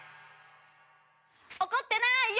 怒ってなーいよ！